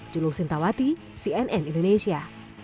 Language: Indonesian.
jeluh sintawati cnn indonesia